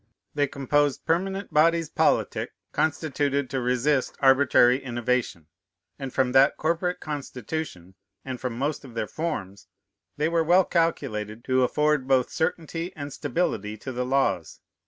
They composed permanent bodies politic, constituted to resist arbitrary innovation; and from that corporate constitution, and from most of their forms, they were well calculated to afford both certainty and stability to the laws.